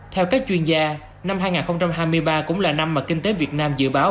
theo các chuyên gia năm hai nghìn hai mươi ba cũng là năm mà kinh tế việt nam dự báo